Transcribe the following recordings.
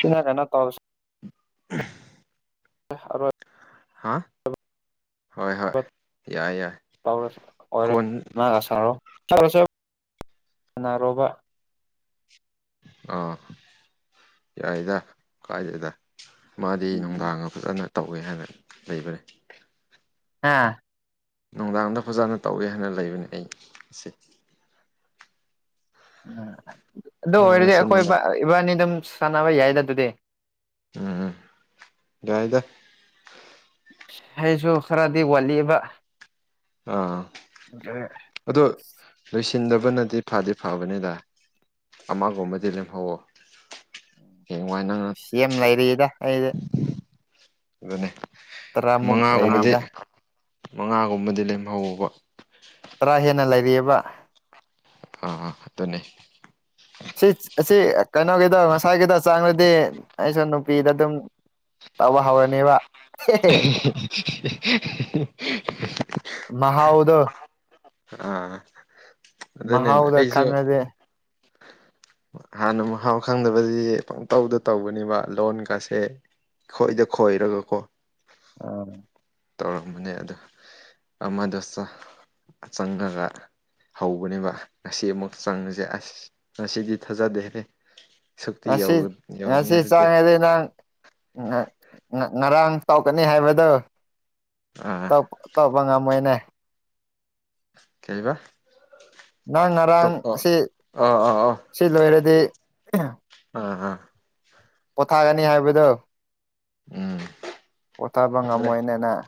ꯁꯤꯅ ꯀꯩꯅꯣ ꯇꯧꯔꯁꯦ ꯑ ꯑꯣꯏ ꯍꯥ ꯍꯣꯏ ꯍꯣꯏ ꯌꯥꯏ ꯌꯥꯏ ꯀꯣꯟ ꯅꯥꯔꯣꯕ ꯑꯥ ꯌꯥꯏꯗ ꯀꯥꯏꯗꯦꯗ ꯃꯥꯗꯤ ꯅꯨꯡꯗꯥꯡ ꯑꯃ ꯐꯖꯅ ꯇꯧꯋꯦ ꯍꯥꯏꯅ ꯂꯩꯕꯅꯤ ꯑꯥ ꯅꯨꯡꯗꯥꯡꯗ ꯐꯖꯅ ꯇꯧꯏꯦ ꯍꯥꯏꯅ ꯂꯩꯕꯅꯦ ꯑꯩ ꯑꯁꯤ ꯎꯝ ꯑꯗꯨ ꯑꯣꯏꯔꯗꯤ ꯍꯥꯟꯅꯁꯨ ꯑꯩꯈꯣꯏ ꯏ ꯅꯨꯡꯗꯥꯡ ꯏꯕꯥꯅꯤ ꯑꯗꯨꯝ ꯁꯥꯟꯅꯕ ꯌꯥꯏꯗ ꯑꯗꯨꯗꯤ ꯎꯝ ꯎꯝ ꯌꯥꯏꯗ ꯑꯩꯁꯨ ꯈꯔꯗꯤ ꯋꯥꯠꯂꯤꯕ ꯑꯥ ꯑꯗꯣ ꯂꯣꯏꯁꯤꯟꯗꯕꯅꯗꯤ ꯐꯗꯤ ꯐꯕꯅꯤꯗ ꯑꯃꯒꯨꯝꯕꯗꯤ ꯂꯦꯝꯍꯧꯋꯣ ꯍꯦꯡ ꯋꯥꯏ ꯅꯪ ꯁꯤꯦꯝ ꯂꯩꯔꯤꯗ ꯑꯩꯗꯤ ꯑꯗꯨꯅꯤ ꯇꯔꯥꯃꯨꯛ ꯃꯉꯥꯒꯨꯝꯕꯗꯤ ꯂꯩꯔꯤꯗ ꯃꯉꯥꯒꯨꯝꯕꯗꯤ ꯂꯦꯝꯍꯧꯕ ꯇꯔꯥ ꯍꯦꯟꯅ ꯂꯩꯔꯤꯕꯔꯤꯑꯕ ꯑꯥ ꯑꯥ ꯑꯗꯨꯅꯦ ꯁꯤ ꯁꯤ ꯀꯩꯅꯣꯒꯤꯗꯣ ꯉꯁꯥꯏꯒꯤꯗ ꯆꯥꯡꯗꯗꯤ ꯑꯩꯁꯨ ꯅꯨꯄꯤꯗ ꯑꯗꯨꯝ ꯇꯕ ꯍꯕꯅꯦꯕ ꯑꯩꯅꯥ ꯃꯍꯥꯎꯗꯣ꯫ ꯑꯥ ꯑꯗꯨꯅꯤꯅꯦ ꯃꯍꯥꯎꯗꯣ ꯑꯩꯖꯨ꯫ ꯈꯪꯉꯗꯤ ꯍꯥꯟꯅ ꯃꯍꯥꯎ ꯈꯪꯗꯕꯒꯤ ꯄꯪꯇꯧꯗ ꯇꯧꯕꯅꯦꯕ ꯂꯣꯟꯒꯥꯁꯦ꯫ ꯈꯣꯏꯗ ꯈꯣꯏꯔꯒ ꯀꯣ꯫ ꯑꯥ ꯇꯧꯔꯝꯕꯅꯦ ꯑꯗꯣ ꯑꯃꯗꯣꯆ ꯆꯪꯒꯗ꯭ꯔ꯫ ꯍꯧꯕꯅꯦꯕ ꯉꯁꯤ ꯑꯃꯨꯛ ꯆꯪꯉꯖꯦ ꯑꯁ ꯉꯁꯤꯗꯤ ꯊꯥꯖꯗꯦꯍꯦ꯫ ꯁꯨꯛꯇꯤ ꯉꯁꯤ ꯌꯧꯒꯅꯤ ꯉꯁꯤ ꯍꯥꯏꯕꯗꯤ ꯆꯥꯔꯗꯤ ꯅꯪ꯫ ꯉꯥ ꯉꯥ ꯉꯔꯥꯡ ꯇꯧꯒꯅꯤ ꯍꯥꯏꯕꯗꯣ꯫ ꯑꯥ ꯇꯧꯕ ꯉꯝꯃꯣꯏꯅꯦ꯫ ꯀꯩꯕ꯫ ꯅꯪ ꯉꯔꯥꯡ ꯑꯣ ꯑꯁꯤ ꯑꯥ ꯁꯤ ꯂꯣꯏꯔꯗꯤ ꯑ ꯑ꯫ ꯄꯣꯊꯥꯒꯅꯤ ꯍꯥꯏꯕꯗꯣ ꯎꯝ ꯄꯣꯊꯥꯕ ꯈꯪꯗ꯭ꯔꯦ ꯉꯝꯃꯣꯏꯅꯦ ꯅꯪ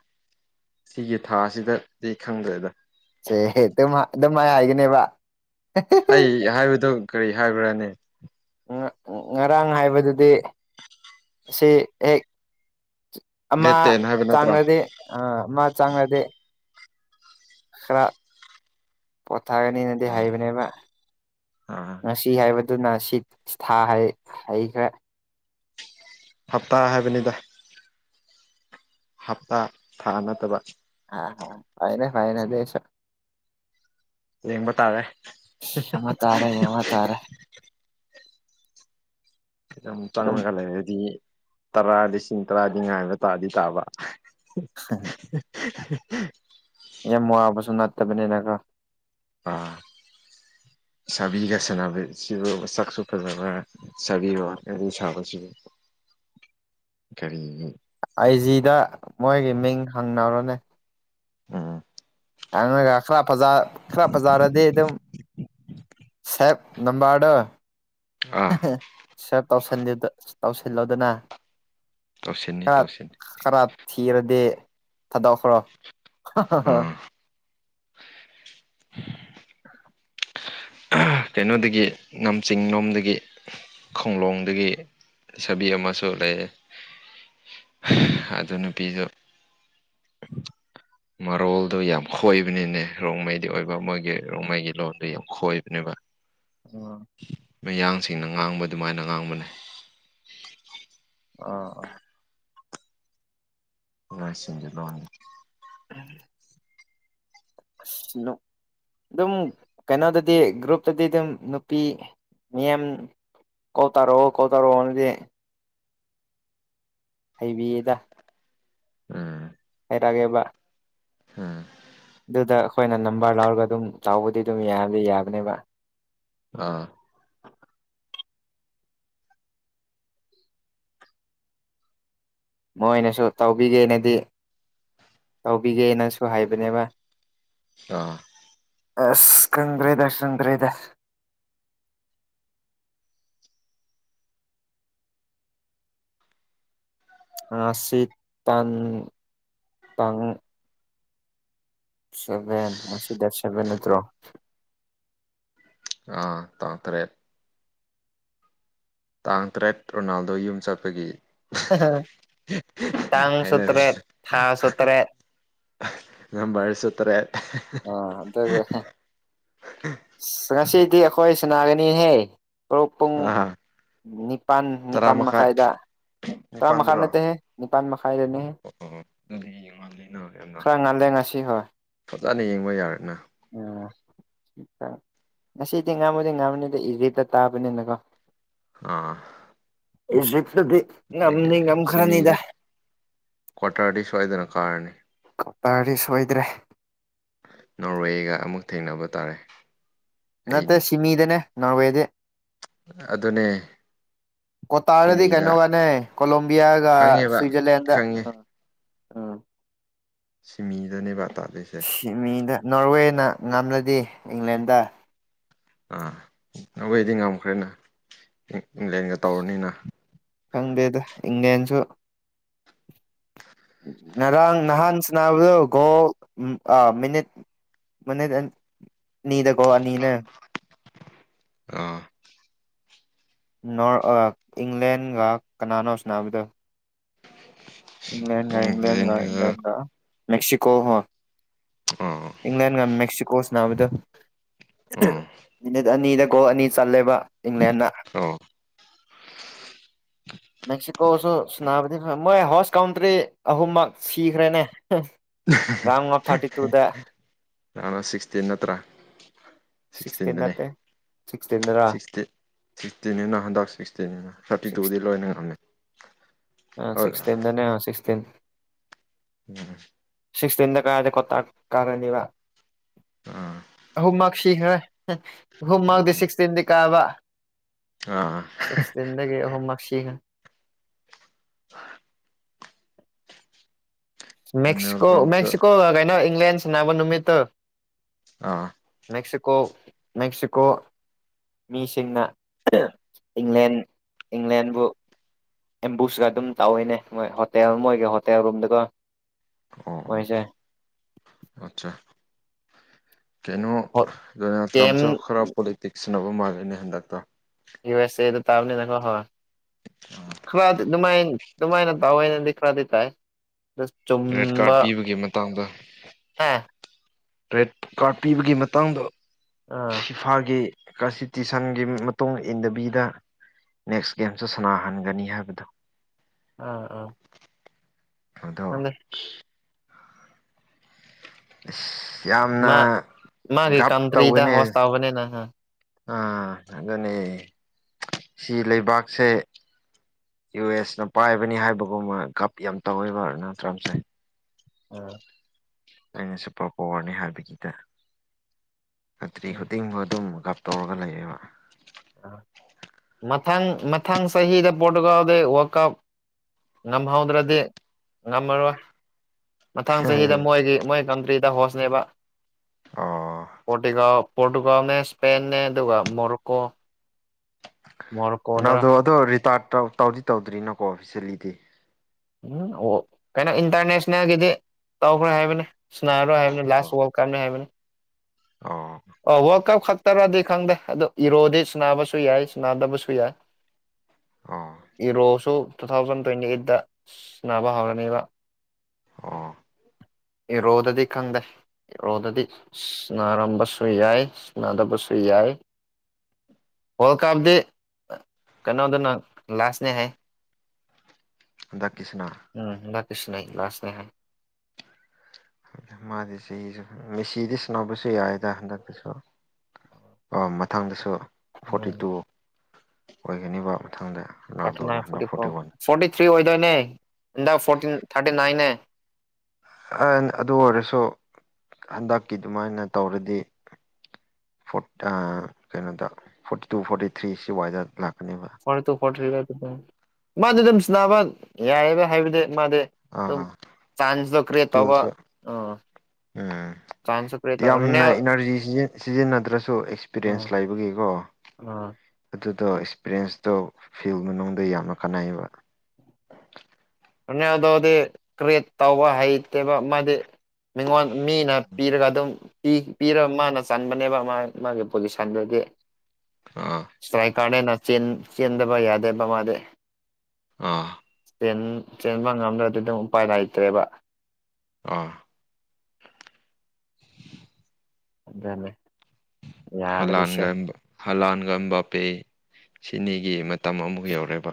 ꯁꯤꯒꯤ ꯊꯥꯁꯤꯗꯗꯤ ꯈꯪꯗ꯭ꯔꯦꯗ꯫ ꯁꯦ ꯑꯗꯨ ꯑꯗꯨ ꯃꯥꯏ ꯍꯥꯏꯒꯅꯦꯕ꯫ ꯑꯩ ꯍꯥꯏꯕꯗꯣ ꯀꯔꯤ ꯍꯥꯏꯕ꯭ꯔꯅꯦ꯫ ꯉꯔꯥꯡ ꯍꯥꯏꯕꯗꯨꯗꯤ ꯑꯁꯤ ꯍꯦꯛ ꯗꯦꯠ ꯑꯃ ꯇꯦꯟ ꯍꯥꯏꯕ ꯅꯠꯇ꯭ꯔꯣ ꯆꯥꯡꯉꯗꯤ ꯑ ꯑꯃ ꯆꯥꯡꯂꯗꯤ꯫ ꯈꯔ ꯄꯣꯊꯥꯒꯅꯤ ꯗꯦ ꯍꯥꯏꯕꯅꯦꯕ ꯑꯥ ꯉꯁꯤ ꯍꯥꯏꯕ꯫ ꯑꯗꯨꯅ ꯁꯤ ꯊꯥ ꯍꯩꯈ꯭ꯔꯦ꯫ ꯍꯥꯞꯇꯥ ꯍꯥꯏꯕꯅꯤꯗ꯫ ꯍꯥꯞꯇꯥ ꯊꯥ ꯅꯠꯇꯕ꯫ ꯑꯍꯥ ꯐꯥꯏꯅꯦ ꯐꯥꯏꯅꯦ ꯑꯗꯨꯏꯁꯨ꯫ ꯌꯦꯡꯕ ꯇꯥꯔꯦ꯫ ꯌꯦꯡꯕꯇꯥꯔꯦ ꯌꯦꯡꯕꯇꯥꯔꯦ꯫ ꯑꯗꯨꯝ ꯆꯪꯂꯒ ꯂꯩꯔꯗꯤ ꯇꯔꯥ ꯂꯤꯁꯤꯡ ꯇꯔꯥꯗꯤ ꯉꯥꯏꯕ ꯇꯥꯗꯤ ꯇꯥꯕ꯫ [inaudible] ꯌꯥꯝ ꯋꯥꯕꯁꯨ ꯅꯠꯇꯕꯅꯤꯅꯒꯣ ꯑ ꯁꯕꯤꯒ ꯁꯥꯅꯕ [inaudible] ꯁꯛꯁꯨ ꯐꯖꯕ꯭ꯔ꯫ [inaudible] ꯋꯥꯔꯤ ꯁꯥꯕꯁꯤ ꯀꯔꯤ꯫ ꯑꯥꯏꯖꯤꯗ ꯃꯣꯏꯒꯤ ꯃꯤꯡ ꯍꯪꯅꯔꯣꯅꯦ꯫ ꯎꯝ꯫ ꯑꯗꯨꯒ ꯈꯦ ꯐꯖ ꯈꯔ ꯐꯖꯥꯔꯗꯤ ꯑꯗꯨꯝ ꯁꯦꯞ ꯅꯝꯕꯔꯗꯣ꯫ ꯑꯥ ꯁꯦꯞ ꯇꯧꯁꯟꯗꯦꯗ ꯇꯧꯁꯤꯜꯂꯣꯗꯅ꯫ ꯇꯧꯁꯤꯟꯅꯤ ꯈꯔ ꯇꯧꯁꯤꯟꯅꯤ ꯈꯔ ꯊꯤꯔꯗꯤ ꯊꯥꯗꯣꯛꯈ꯭ꯔꯣ꯫ ꯎꯝ ꯀꯩꯅꯣꯗꯒꯤ ꯅꯝꯖꯤꯡꯂꯣꯝꯗꯒꯤ ꯈꯣꯡꯂꯣꯡꯗꯒꯤ꯫ ꯁꯥꯕꯤ ꯑꯃꯁꯨ ꯂꯩꯌꯦ ꯑꯗꯨ ꯅꯨꯄꯤꯗꯨ [unintelligible] ꯃꯔꯣꯜꯗꯣ ꯌꯥꯝ ꯈꯣꯏꯕꯅꯤꯅꯦ ꯔꯣꯡꯃꯩꯗꯤ ꯑꯣꯏꯕ ꯃꯣꯏꯒꯤ ꯔꯣꯡꯃꯩꯒꯤ ꯂꯣꯟꯗꯣ ꯌꯥꯝ ꯈꯣꯏꯕꯅꯦꯕ꯫ ꯑꯥ ꯃꯌꯥꯡꯁꯤꯡꯅ ꯉꯥꯡꯕ ꯑꯗꯨꯃꯥꯏꯅ ꯉꯥꯡꯕꯅꯦ꯫ ꯑꯥ ꯑꯥ꯫ ꯢꯃꯥ ꯁꯤꯡꯒꯤ ꯂꯣꯟ꯫ [unintelligible] ꯑꯁ ꯅꯨꯞ ꯑꯗꯨꯝ ꯀꯩꯅꯣꯗꯗꯤ ꯒ꯭ꯔꯨꯞꯇꯗꯤ ꯑꯗꯨꯝ ꯅꯨꯄꯤ ꯃꯤꯌꯥꯝ ꯀꯣꯂ ꯇꯥꯔꯛꯣ ꯀꯣꯜ ꯇꯥꯔꯛꯑꯣꯅꯗꯤ꯫ ꯍꯩꯕꯤꯌꯦꯗ ꯎꯝ ꯇꯒꯦꯕ꯫ ꯎꯝ ꯑꯗꯨꯗ ꯑꯩꯈꯣꯏꯅ ꯅꯝꯕꯔ ꯂꯧꯔꯒ ꯑꯗꯨꯝ ꯆꯥꯎꯕꯨꯗꯤ ꯑꯗꯨꯝ ꯌꯥꯗꯤ ꯌꯥꯕꯅꯦꯕ ꯑꯥ ꯃꯣꯏꯅꯁꯨ ꯇꯧꯕꯤꯒꯦꯅꯗꯤ꯫ ꯇꯧꯕꯤꯒꯦꯅꯁꯨ ꯍꯥꯏꯕꯅꯦꯕ꯫ ꯑꯥ ꯑꯁꯥ ꯀꯟ꯭ꯔꯦꯗ ꯀꯟ꯭ꯔꯦꯗ ꯫ ꯉꯥꯁꯤ ꯇꯥꯟ ꯇꯥꯡ ꯁꯕꯦꯟ ꯉꯁꯤ ꯗꯥꯇꯦ ꯁꯕꯦꯟ ꯅꯠꯇ꯭ꯔꯣ ꯑꯥ ꯇꯥꯡ ꯇꯔꯦꯠ ꯇꯥꯡ ꯇꯔꯦꯠ ꯔꯣꯅꯥꯜꯗꯣ ꯌꯨꯝ ꯆꯠꯄꯒꯤ꯫ ꯇꯥꯡꯁꯨ ꯍꯥꯏꯅꯔꯤ ꯇ꯭ꯔꯦ ꯊꯥꯁꯨ ꯇ꯭ꯔꯦ꯫ ꯅꯥꯝꯕꯥꯔꯁꯨ ꯇꯔꯦꯠ꯫ ꯑꯥ ꯑꯗꯨꯒ ꯉꯁꯤꯗꯤ ꯑꯩꯈꯣꯏ ꯁꯅꯥꯒꯅꯤꯍꯦ ꯄꯨꯛ ꯄꯨꯡ ꯑꯥ ꯅꯤꯄꯥꯟ ꯇꯔꯥ ꯅꯤꯄꯥꯟ ꯃꯈꯥꯏ ꯃꯈꯥꯏꯗ ꯀꯔꯥ ꯃ ꯃꯈꯥꯟ ꯂꯩꯦ ꯍ ꯅꯤꯄꯥꯥꯟ ꯃ ꯃꯈꯥ ꯂꯩꯅꯦ꯫ ꯑꯣ ꯑꯣ ꯑꯗꯨꯗꯤ ꯌꯦꯡꯉꯛꯑꯅꯤꯅ ꯌꯥꯝꯅ ꯈꯔ ꯉꯜꯂꯦ ꯉꯁꯤ ꯐꯖꯅ ꯌꯦꯡꯕ ꯌꯥꯔꯦꯅ ꯎꯥ ꯉꯁꯤꯗꯤ ꯉꯥꯡꯝꯃꯨꯗꯤ ꯉꯥꯡꯃꯨꯅꯤꯗ ꯏꯖꯦꯗ ꯇꯥꯕꯅꯤꯅꯀꯣ ꯑꯥ ꯏꯖꯤꯖꯤꯛꯇꯗꯤ ꯑꯗꯒꯤ ꯉꯝꯅꯤ ꯉꯝꯈ꯭ꯔꯅꯤꯗ ꯀ꯭ꯋꯥꯇꯥꯔꯥꯗꯤ ꯁ꯭ꯋꯥꯗꯅ ꯀꯥꯔꯅꯤ꯫ ꯀꯇꯥꯔꯗꯤ ꯁꯣꯏꯗ꯭ꯔꯦ꯫ ꯅꯣꯔꯋꯦꯒ ꯑꯃꯨꯛ ꯊꯦꯡꯅꯕ ꯇꯥꯔꯦ꯫ ꯅꯠꯇꯦ ꯑꯩꯅꯤ ꯁꯤꯃꯤ ꯏꯗꯦꯅꯦ ꯅꯔꯋꯦꯗꯦ꯫ ꯑꯗꯨꯅꯦ꯫ ꯀꯣꯇꯥꯔꯗꯤ ꯁꯤꯃꯤꯗ ꯀꯩꯅꯣꯒꯅꯦ ꯀꯣꯂꯣꯝꯕꯤꯌꯥꯒ ꯈꯪꯉꯦꯕ ꯁ꯭ꯋꯤꯖꯔꯂꯦꯟꯗ ꯈꯪꯉꯦ ꯑꯥ ꯁꯤꯃꯤꯗꯅꯦꯕ ꯇꯥꯗꯣꯏꯁꯦ꯫ ꯃꯤꯗ ꯅꯣꯔꯋꯦꯅ ꯉꯝꯂꯗꯤ ꯏꯪꯂꯦꯟꯗ ꯑꯥ ꯅꯈꯣꯏ ꯑꯩꯗꯤ ꯉꯝꯈ꯭ꯔꯦꯅ ꯏꯪꯂꯦꯟꯒ ꯇꯧꯔꯅꯤꯅ꯫ ꯈꯪꯗꯦꯗ ꯏꯪꯂꯌꯥꯦꯟꯁꯨ ꯉꯔꯥꯡ ꯅꯍꯥꯟ ꯁꯥꯟꯅꯕꯗꯨ ꯒꯣ ꯃꯤꯅꯤꯠ ꯃꯅꯤꯠ ꯑꯅꯤꯗ ꯒꯣꯂꯥ ꯑꯅꯤꯅꯦ꯫ ꯑꯥ ꯅꯣꯔ ꯏꯪꯂꯦꯟꯒ ꯀꯅꯥꯅꯣ ꯁꯅꯥꯕꯗꯣ꯫ ꯏꯪ꯭ꯂꯒ ꯏꯪ꯭ꯂꯦꯟꯒ ꯏꯪꯂꯦꯟꯒ ꯏꯪꯂ꯭ꯂꯦꯟꯒ ꯃꯦꯛꯁꯤꯀꯣ ꯍꯣꯏ ꯫ ꯑꯣ ꯏꯪꯪꯂꯦꯟꯒ ꯃꯦꯛꯁꯤꯀꯣ ꯁꯅꯥꯕꯗꯣ꯫ ꯑꯣ ꯃꯤꯅꯤꯠ ꯑꯅꯤꯗ ꯒꯣꯜ ꯑꯅꯤ ꯆꯜꯂꯦꯕ ꯏꯪꯂꯦꯟꯅ꯫ ꯑꯣ ꯃꯦꯛꯁꯤꯀꯣꯁꯨ ꯁꯨꯕꯗꯤ ꯃꯣꯏ ꯍꯥꯎꯁ ꯀꯥꯎꯟꯇ꯭ꯔꯤ ꯑꯍꯨꯝꯃꯛ ꯁꯤꯈ꯭ꯔꯦꯅꯦ꯫ ꯑ ꯔꯣꯟꯗ ꯑꯣꯕ ꯁꯤꯛꯁꯇꯤꯟ ꯅꯠꯇ꯭ꯔꯥ ꯁꯤꯛꯁꯇꯤꯟ ꯁꯤꯛꯁꯇꯤꯟꯗꯅꯦ ꯅꯠꯇꯦ ꯁꯤꯛꯁꯇꯤꯟꯗꯔꯥ ꯁꯤꯛꯁꯇꯤꯟ ꯁꯤꯛꯁꯇꯤꯟꯅꯤꯅ ꯍꯟꯗꯛ ꯁꯤꯛꯁꯇꯤꯟꯅꯤꯅ꯫ ꯊꯥꯔꯇꯤ ꯇꯨꯗꯤ ꯂꯣꯏꯅ ꯉꯝꯃꯦ ꯍꯣꯏ ꯁꯤꯁꯇꯤꯟ꯫ ꯎꯝ ꯁꯤꯛꯁꯇꯤꯟꯗ ꯀꯥꯏꯗ ꯀꯣꯇꯥ ꯀꯥꯔꯅꯤꯕ ꯑꯥ ꯑꯍꯨꯝꯃꯛ ꯁꯤꯈ꯭ꯔꯦ ꯑꯍꯨꯝꯃꯛꯗꯤ ꯎꯝ ꯁꯤꯛꯁꯇꯤꯟꯗꯤ ꯀꯥꯕ ꯑꯥ ꯗꯒꯤꯒꯤ ꯍꯣꯝꯋꯔꯛ ꯁꯒ꯭ꯔ ꯗꯣꯅꯦꯜ ꯃꯦꯛꯁꯤꯀꯣ ꯇ꯭ꯔꯝꯁꯨ ꯃꯦꯛꯁꯤꯀꯣ ꯀꯩꯅꯣ ꯏꯪꯪꯂ꯭ꯂꯦꯟꯁꯅꯥꯕ ꯅꯨꯃꯤꯠꯇ ꯑꯥ ꯃꯦꯛꯦꯛꯁꯤꯀꯣ ꯃꯦꯛꯦꯛꯁꯤꯀꯣ ꯃꯤꯁꯤꯡꯅ ꯏꯪꯂꯦꯟ ꯏꯪꯂꯦꯟꯕꯨ ꯑꯦꯝꯕꯨꯁꯀ ꯑꯗꯨꯝ ꯇꯧꯋꯏꯅꯦ ꯃꯣꯏ ꯍꯣꯇꯦꯜ ꯃꯣꯏꯒ ꯍꯣꯇꯦꯜ ꯔꯨꯝꯝꯗꯒꯣ ꯑꯣꯏꯣꯏꯁꯦ ꯑꯆꯥ ꯀꯩꯅꯣ ꯒꯦꯝ ꯇ꯭ꯔꯝꯁꯨ ꯈꯔꯞ ꯄꯣꯂꯤꯇꯤꯛꯁꯅꯕ ꯃꯥꯜꯂꯅꯦ ꯍꯟꯗꯛꯇ ꯌꯨ ꯑꯦꯁ ꯑꯦꯗ ꯇꯥꯕꯅꯤ ꯅ ꯍꯣꯏ ꯑꯗꯨꯃꯥꯏ ꯑꯗꯨꯃꯥꯏꯅ ꯇꯥꯑꯣꯏꯅꯗꯤ ꯈꯔꯗꯤ ꯇꯥꯏ ꯔꯦꯠ ꯆꯨꯝꯕ ꯀꯥꯔꯠ ꯄꯤꯕꯒꯤ ꯃꯇꯥꯡꯗ ꯑꯥ ꯔꯦꯠ ꯀꯥꯔꯠ ꯄꯤꯕꯒꯤ ꯃꯇꯥꯡꯗ ꯑꯥ ꯏꯝꯐꯥꯜꯒꯤ ꯀꯟꯁꯇꯤꯇ꯭ꯌꯨꯁꯟꯒꯤ ꯃꯇꯨꯡ ꯏꯟꯗꯕꯤꯗ ꯅꯦꯛꯁ ꯒꯦꯝꯁꯨ ꯁꯥꯟꯅꯥꯍꯟꯒꯅꯤ ꯍꯥꯏꯕꯗꯣ ꯑꯥ ꯑ ꯑꯗꯣ ꯏꯁꯁ ꯌꯥꯝꯅ ꯃꯥ ꯃꯥꯒꯤ ꯒꯞ ꯀꯟꯇ꯭ꯔꯤꯗ ꯇꯧꯒꯅꯤ ꯍꯣꯁ ꯇꯧꯕꯅꯤꯅ ꯍꯥ ꯑꯥ ꯑꯗꯨꯅꯤ ꯁꯤ ꯂꯩꯕꯥꯛꯁꯦ ꯌꯨ ꯑꯦꯁꯅ ꯄꯥꯏꯕꯅꯤ ꯍꯥꯏꯕꯒꯨꯝꯕ ꯀꯞ ꯌꯥꯝ ꯇꯧꯋꯦꯕ ꯅꯠꯇ꯭ꯔꯝ ꯇꯥꯏ ꯎꯝ ꯑꯩꯅ ꯁꯨꯄꯔ ꯄꯋꯥꯔꯅꯤ ꯍꯥꯏꯕꯒꯤꯗ ꯈꯇ꯭ꯔꯤ ꯈꯨꯗꯤꯡꯃ ꯑꯗꯨꯝ ꯇꯧꯔꯒ ꯂꯩꯌꯦꯕ ꯃꯊꯪ ꯃꯊꯪ ꯆꯍꯤꯗ ꯄꯣꯠꯇꯨꯀꯗꯩ ꯋꯥꯀꯞ ꯉꯝꯍꯧꯗ꯭ꯔꯗꯤ ꯉꯝꯃꯔꯣꯏ ꯃꯊꯥꯡ ꯆꯍꯤꯗ ꯃꯣꯏꯒꯤ ꯃꯣꯏ ꯀꯟꯇ꯭ꯔꯤꯗ ꯍꯣꯁꯅꯦꯕ ꯑꯣ ꯄꯣꯔꯇꯤꯒꯥꯎ ꯄꯣꯔꯇꯨꯒꯥꯜꯅꯦ ꯁ꯭ꯄꯦꯟꯅꯦ ꯑꯗꯨꯒ ꯃꯣꯔꯣꯛꯀꯣ ꯅꯅꯥꯗꯣ ꯑꯗꯣ ꯔꯤꯇꯥꯔ ꯇꯧꯗꯤ ꯇꯧꯗ꯭ꯔꯤꯅꯀꯣ ꯑꯣꯐꯤꯁꯦꯜꯂꯤꯗꯤ ꯎꯝ ꯑꯣ ꯀꯩꯅꯣ ꯏꯟꯇꯔꯅꯦꯁꯅꯦꯜꯒꯤꯗꯤ ꯇꯧꯈ꯭ꯔꯣꯏ ꯍꯥꯏꯕꯅꯤ ꯁꯅꯔꯣꯏ ꯍꯥꯏꯕꯅꯤ ꯑꯣ ꯂꯥꯁ ꯋꯥ ꯀ ꯍꯥꯏꯕꯅꯤ ꯑꯣ ꯑꯣ ꯋꯥꯔꯜ ꯀꯞ ꯈꯛꯇꯔꯗꯤ ꯈꯪꯗꯦ ꯑꯗꯨꯣ ꯏꯔꯣꯗꯤ ꯁꯕꯁꯨ ꯌꯥꯏ ꯁꯅꯥꯗꯕꯁꯨ ꯌꯥꯏ ꯑꯣ ꯏꯔꯣꯁꯨ ꯇꯨ ꯊꯥꯎꯖꯟ ꯇ꯭ꯋꯦꯟꯇꯤ ꯑꯩꯠꯇ ꯁꯟꯅꯕ ꯍꯧꯔꯅꯤꯕ ꯑꯥ ꯏꯔꯣꯗꯗꯤ ꯈꯪꯗꯦ ꯏꯔꯣꯗꯗꯤ ꯁꯅꯔꯝꯕꯁꯨ ꯁ ꯌꯥꯏ ꯁꯨꯅꯗꯕꯁꯨ ꯌꯥꯏ ꯋꯥꯔꯜ ꯀꯞꯗꯤ ꯀꯩꯅꯣꯗꯅ ꯂꯥꯁꯅꯦ ꯍꯥꯏ [unintelligible] ꯑꯗꯀꯤ ꯁꯅ ꯎꯝ ꯂꯀꯤꯁꯨꯅ ꯂꯥꯁꯅꯦ ꯍꯥꯏ ꯃꯥꯗꯤ ꯆ ꯃꯦꯁꯤꯗꯤꯁ ꯅꯕꯁ ꯍꯥꯏꯗ ꯑꯟꯗ ꯄꯨꯁꯨꯣ ꯃꯊꯪꯗꯁꯨ ꯐꯣꯔꯇꯤ ꯎꯝ ꯇꯨ ꯑꯣꯏꯒꯅꯤꯕ ꯃꯊꯪꯗ ꯊꯥꯔꯇꯤ ꯅꯥꯏꯟ ꯍꯟ forty one four forty three ꯑꯣꯏꯗꯣꯏꯅꯦ ꯍꯟꯗꯛ ꯐꯣꯔꯇꯤꯟ ꯊꯥꯔꯇꯤ ꯅꯥꯏꯟꯅꯦ ꯑꯗꯨ ꯑꯣꯏꯔꯁꯨ ꯍꯟꯗꯛꯀꯤ ꯑꯗꯨꯃꯥꯏꯅ ꯇꯧꯔꯗꯤ ꯀꯩꯅꯣꯗ ꯐꯣꯔꯇꯤ ꯇꯨ ꯐꯣꯔꯇꯤ ꯊ꯭ꯔꯤ ꯁꯤ ꯋꯥꯏꯗ ꯂꯥꯛꯀꯅꯦꯕ ꯐꯣꯔ ꯇꯨ ꯐꯣꯔ ꯊ꯭ꯔꯤ ꯃꯥꯗꯤ ꯑꯗꯨꯝ ꯁꯤꯅꯕ ꯌꯥꯏꯑꯕ ꯍꯥꯏꯕꯗꯤ ꯃꯥꯗꯤ ꯝ ꯑꯥ ꯆꯥꯟꯁꯗ ꯀ꯭ꯔꯦ ꯇꯧꯕ ꯏꯁꯀꯤꯜꯁꯨ ꯑꯥ ꯎꯝ [unintelligible] ꯁꯥꯏꯟꯁꯦ [unintelligible] ꯌꯥꯝꯅ ꯏꯅꯔꯖꯤ ꯁꯤꯖꯤꯟ ꯁꯤꯖꯤꯟꯅꯗ꯭ꯔꯁꯨ ꯑꯥ ꯑꯦꯛꯁꯄꯤꯔꯤꯌꯦꯟꯁ ꯂꯩꯕꯒꯤꯀꯣ ꯑꯥ ꯑꯗꯨꯗꯣ ꯑꯦꯛꯁꯄꯔꯤꯌꯦꯟꯁꯇꯣ ꯍꯥꯌꯦꯡ ꯅꯥꯉꯣꯟꯗ ꯌꯥꯝꯅ ꯀꯥꯟꯅꯩꯌꯦꯕ ꯅꯦꯗꯗꯤ ꯀꯔꯤꯠ ꯇꯧꯕ ꯍꯩꯇꯦꯕ ꯃꯥꯗꯤ [unintelligible] ꯃꯤꯉꯣꯟ ꯃꯤꯅ ꯄꯤꯔꯒ ꯑꯗꯨꯝ ꯄꯤ ꯄꯤꯔ ꯃꯥꯅ ꯆꯟꯕꯅꯦꯕ ꯃꯥ ꯃꯥꯒꯤ ꯄꯣꯖꯤꯁꯟꯗꯨꯗꯤ ꯑꯥ ꯐꯦꯀꯥꯅꯦꯅ ꯆꯤꯟ ꯆꯤꯟꯗꯕ ꯌꯥꯗꯦꯕ ꯃꯥꯗꯦ [unintelligible] ꯑꯥ ꯆꯦꯟꯕ ꯉꯝꯗ꯭ꯔꯗꯤ ꯑꯗꯨꯝ ꯎꯄꯥꯏ ꯂꯩꯇ꯭ꯔꯦꯕ ꯑꯥ ꯑꯗꯨꯅꯦ ꯌꯥꯗ꯭ꯔꯤꯁꯦ ꯍꯂꯥꯟꯒ ꯍꯂꯥꯟꯒ ꯕꯄꯦ ꯁꯤꯅꯤꯒꯤ ꯃꯇꯝ ꯑꯃꯨꯛ ꯌꯧꯔꯦꯕ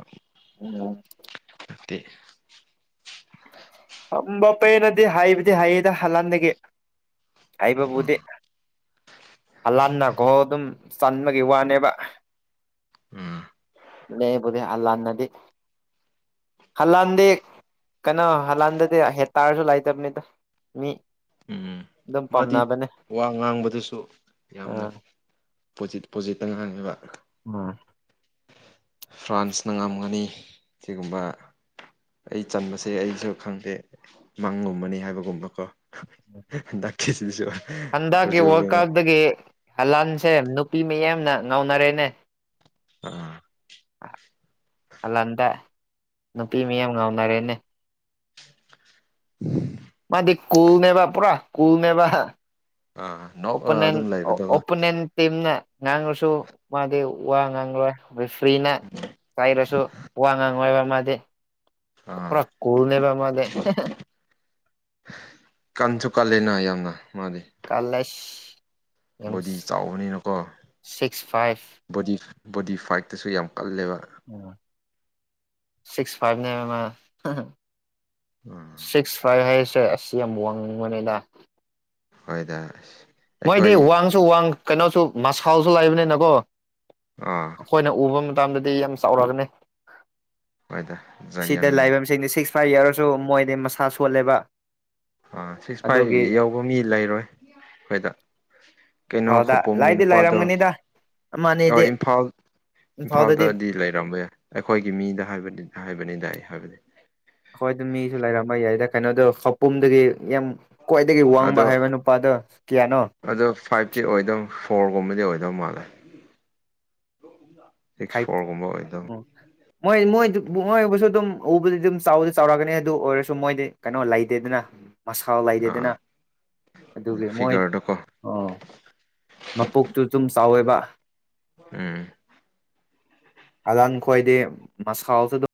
ꯎꯝ [inaudible] ꯕꯄꯦꯅꯗꯤ ꯍꯩꯕꯗꯤ ꯍꯩ ꯑꯦꯗ ꯍꯂꯥꯟꯗꯒꯤ ꯎꯝ ꯍꯥꯏꯕꯕꯨꯗꯤ ꯍꯂꯥꯟꯅ ꯒꯣꯜ ꯑꯗꯨꯝ ꯆꯟꯕꯒꯤ ꯋꯥꯅꯦꯕ ꯎꯝ ꯂꯦꯕꯨꯗꯤ ꯍꯜꯂꯥꯟꯅꯗꯤ ꯍꯜꯂꯥꯟꯗꯤ [unintelligible] ꯀꯩꯅꯣ ꯍꯂꯥꯟꯗꯗꯤ ꯍꯦꯗ ꯇꯥꯔꯁꯨ ꯂꯩꯇꯝꯅꯤꯗ ꯃꯤ ꯎꯝ ꯑꯗꯨꯝ ꯃꯥꯗꯤ ꯄꯥꯝꯅꯕꯅꯦ ꯋꯥ ꯉꯥꯡꯕꯗꯁꯨ ꯌꯥꯝꯅ ꯑꯥ ꯄꯣꯖꯤꯠ ꯄꯣꯖꯤꯠꯇ ꯉ ꯉꯥꯡꯉꯦꯕ ꯎꯝ ꯐ꯭ꯔꯥꯟꯁꯅ ꯉꯝꯒꯅꯤ ꯁꯤꯒꯨꯝꯕ ꯑꯩ ꯆꯟꯕꯁꯦ ꯑꯩꯁꯨ ꯈꯪꯗꯦ ꯃꯪꯒꯨꯝꯕꯅꯤ ꯍꯥꯏꯕꯒꯨꯝꯕꯀꯣ ꯗꯥꯛꯁꯤꯁꯨ [unintelligible] ꯍꯟꯗꯛꯀꯤ ꯋꯥꯔꯜ ꯀꯞꯇꯒꯤ ꯍꯂꯥꯟꯁꯦ ꯅꯨꯄꯤ ꯃꯤꯌꯥꯝꯅ ꯉꯥꯎꯅꯔꯦꯅꯦ ꯑꯥ ꯍꯥꯂꯥꯟꯗ ꯅꯨꯄꯤ ꯃꯤꯌꯥꯝ ꯉꯥꯎꯅꯔꯦꯅꯦ ꯃꯥꯗꯤ ꯀꯨꯜ ꯅꯦꯕ ꯄꯨꯔ ꯀꯨꯜ ꯅꯦꯕ ꯍꯥ ꯑꯥ ꯅꯣꯛꯑ ꯑꯣꯄꯅꯦꯟ ꯑꯗꯨꯝ ꯂꯩꯕꯗꯨꯒ ꯑꯣꯄꯅꯦꯟ ꯇꯤꯝꯅ ꯉꯥꯡꯂꯁꯨ ꯃꯥꯗꯤ ꯋꯥ ꯉꯥꯡꯂ ꯔꯤꯐ꯭ꯔꯤꯅ ꯆꯥꯏꯔꯁꯨ ꯋꯥ ꯉꯥꯡꯂꯦꯕ ꯃꯥꯗꯤ ꯑꯥ ꯄꯨꯔꯥ ꯀꯨꯜ ꯅꯦꯕ ꯃꯥꯗꯤ ꯀꯟꯁꯨ ꯀꯜꯂꯦꯅ ꯌꯥꯝꯅ ꯃꯥꯗꯤ ꯀꯜꯂꯦ ꯁꯤ ꯕꯣꯗꯤ ꯆꯥꯎꯕꯅꯤꯅꯀꯣ ꯁꯤꯛꯁ ꯐꯥꯏꯚ ꯕꯣꯗꯤ ꯕꯣꯗꯤ ꯐꯥꯏꯠꯇꯁꯨ ꯌꯥꯝ ꯀꯜꯂꯦꯕ ꯎꯝ ꯁꯤꯛꯁ ꯐꯥꯏꯚꯅꯦ ꯃꯥ ꯎꯝ ꯁꯤꯛꯁ ꯐꯥꯏꯚ ꯍꯥꯏꯁꯦ ꯑꯁ ꯌꯥꯝ ꯋꯥꯡꯕꯅꯤꯗ ꯍꯣꯏꯗ ꯃꯣꯏꯗꯤ ꯑꯩꯈꯣꯏ ꯋꯥꯡꯁꯨ ꯋꯥꯡ ꯀꯩꯅꯣꯁꯨ ꯃꯁꯥꯜꯁꯨ ꯂꯩꯕꯅꯤꯅꯀꯣ ꯑꯥ ꯑꯩꯈꯣꯏꯅ ꯎꯕ ꯃꯇꯝꯗꯗꯤ ꯌꯥꯝ ꯆꯥꯎꯔꯒꯅꯤ ꯍꯣꯏꯗ ꯁꯤꯗ ꯖꯌꯦꯟ ꯂꯩꯕꯁꯤꯡꯗꯤ ꯁꯤꯛꯁ ꯐꯥꯏꯚ ꯌꯥꯔꯁꯨ ꯃꯣꯏꯗꯤ ꯃꯁꯥ ꯁꯣꯜꯂꯦꯕ ꯑꯥ ꯁꯤꯛꯁ ꯑꯗꯨꯒꯤ ꯐꯥꯏꯚ ꯌꯧꯕ ꯃꯤ ꯂꯩꯔꯣꯏ ꯑꯩꯈꯣꯏꯗ ꯀꯩꯅꯣ ꯏꯝꯐꯥꯜꯗ ꯈꯣꯄꯣꯝꯒꯤ ꯂꯥꯏꯗꯤ ꯅꯨꯄꯥꯗꯣ ꯂꯩꯔꯝꯒꯅꯤꯗ ꯑ ꯑꯃꯅꯤꯗꯤ ꯏꯝꯐꯥꯜ ꯏꯝꯐꯥꯜꯗꯗꯤ ꯂꯩꯔꯝꯕ ꯌꯥꯏ ꯑꯩꯈꯣꯏꯒꯤ ꯃꯤꯗ ꯍꯥꯏꯕ ꯍꯥꯏꯕꯅꯤꯗ ꯑꯩ ꯍꯥꯏꯕꯗꯤ ꯑꯩꯈꯣꯏ ꯗꯨ ꯃꯤꯁꯨ ꯂꯩꯔꯝꯕ ꯌꯥꯏꯗ ꯀꯩꯅꯣꯗꯣ ꯐꯥꯎꯄꯨꯝꯗꯒꯤ ꯌꯥꯝ ꯈ꯭ꯋꯥꯏꯗꯒꯤ ꯑꯗꯣ ꯋꯥꯡꯕ ꯍꯥꯏꯕ ꯅꯨꯄꯥꯗꯣ ꯀꯌꯥꯅꯣ ꯑꯗꯣ ꯐꯥꯏꯚꯇꯤ ꯑꯣꯏꯗꯧ ꯐꯣꯔꯒꯨꯝꯕꯗꯤ ꯑꯣꯏꯗꯧ ꯃꯥꯜꯂꯦ ꯁꯤꯛꯁ ꯐꯥꯏꯚ ꯐꯣꯔꯒꯨꯝꯕ ꯑꯣꯏꯗꯨꯝ ꯎꯝ ꯃꯣꯏ ꯃꯣꯏꯗꯤ ꯕꯨꯉꯣꯍꯣꯏꯕꯁꯨ ꯑꯗꯨꯝ ꯎꯕꯗꯤ ꯑꯗꯨꯝ ꯆꯥꯎꯕꯗꯤ ꯆꯥꯎꯔꯛꯀꯅꯤ ꯑꯗꯨ ꯑꯣꯏꯔꯁꯨ ꯃꯣꯏꯗꯤ ꯀꯩꯅꯣ ꯂꯩꯇꯦꯗꯅ ꯃꯁꯥꯎ ꯂꯩꯇꯦꯗꯅ ꯑꯥ ꯑꯗꯨꯒꯤ ꯃꯣꯏ ꯐꯤꯒꯔꯗꯣꯀꯣ ꯑꯣ ꯃꯄꯣꯛꯇꯨ ꯗꯨꯝ ꯆꯥꯎꯌꯦꯕ ꯎꯝ ꯍꯂꯥꯟ ꯈꯣꯏꯗꯤ ꯃꯁꯥꯎꯁꯨ ꯑꯗꯨꯝ